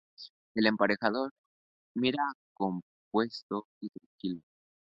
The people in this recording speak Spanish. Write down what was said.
El emperador mira compuesto y tranquilo.